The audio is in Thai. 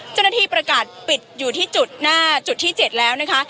เจ้าหน้าที่ประกาศปิดอยู่ที่จุดหน้าจุดที่๗แล้วนะคะ